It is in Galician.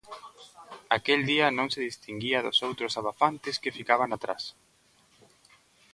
Aquel día non se distinguía dos outros abafantes que ficaban atrás.